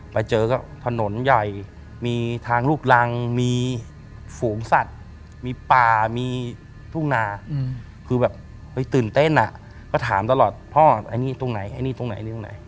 ไปเจอก็ถนนใหญ่มีทางลูกรังมีฝูงสัตว์มีป่ามีทุ่งนาคือแบบตื่นเต้นอ่ะก็ถามตลอดพ่อไอ้นี่ตรงไหนไอ้นี่ตรงไหนเรื่องไหน